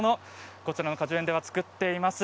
こちら果樹園では作っております。